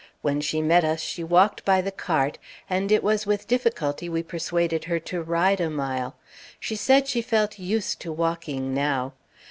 When she met us, she walked by the cart, and it was with difficulty we persuaded her to ride a mile; she said she felt "used" to walking now.